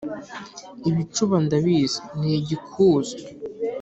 Ibicuba ndabizi ni igikuzo,